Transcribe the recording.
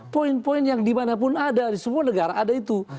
poin poin yang dimanapun ada di semua negara ada itu